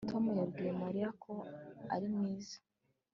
Tom yabwiye Mariya ko ari mwiza